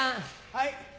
はい。